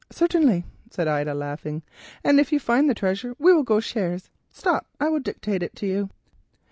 "Certainly," said Ida laughing, "and if you find the treasure we will go shares. Stop, I will dictate it to you."